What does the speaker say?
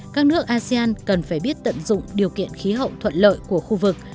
các nước asean cần phải biết tận dụng điều kiện khí hậu thuận lợi của khu vực